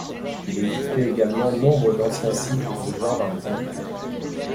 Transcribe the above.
Il existait également nombre d'anciens sites de ce genre dans les environs.